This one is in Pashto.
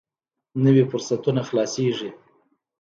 نوي فرصتونه خلاصېږي.